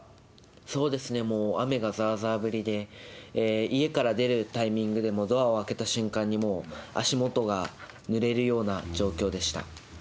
そうですね、もうざーざー降りで、家から出るタイミングで、もうドアを開けた瞬間に、もう、足元がぬれるような状況でした。